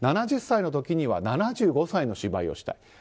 ７０歳の時には７５歳の芝居をしたい。